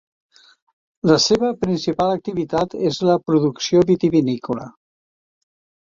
La seva principal activitat és la producció vitivinícola.